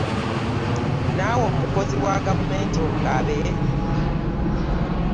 Naawe omukozi wa gavumenti okaabe!